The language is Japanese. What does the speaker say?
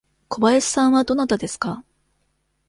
小林さんはどなたですか。